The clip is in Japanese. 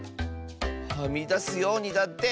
はみだすようにだって。